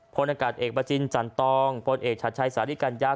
พลอากาศเอกประจินจันตองพลเอกชัดชัยสาริกัญญา